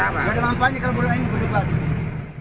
ada lampanya kalau berlain berlain